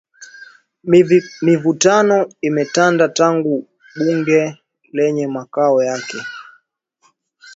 Mivutano imetanda tangu bunge lenye makao yake